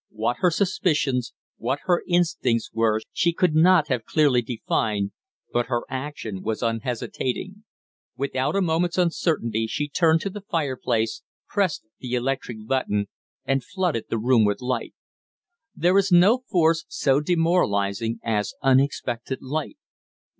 What her suspicions, what her instincts were she could not have clearly defined, but her action was unhesitating. Without a moment's uncertainty she turned to the fireplace, pressed the electric button, and flooded the room with light. There is no force so demoralizing as unexpected light.